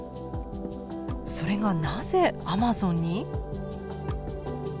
それがなぜアマゾンに？